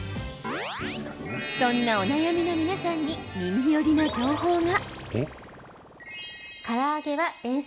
そんなお悩みの皆さんに耳寄りな情報が。